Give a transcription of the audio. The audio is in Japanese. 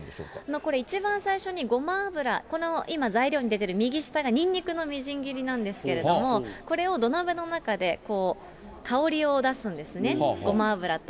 これ、一番最初にごま油、右下がにんにくのみじん切りなんですけれども、これを土鍋の中で香りを出すんですね、ごま油と。